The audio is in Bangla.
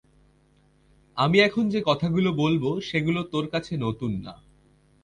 আমি এখন যে কথাগুলো বলবো সেগুলো তোর কাছে নতুন না।